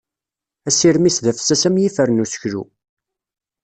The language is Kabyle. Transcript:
Asirem-is d afessas am yifer n useklu.